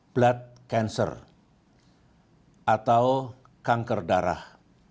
blood cancer atau kanker darah